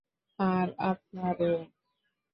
আর আপনার ও?